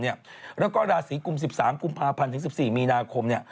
แล้วก็ราศีกุม๑๓กุมภาพันธ์ถึง๑๔มีนาคม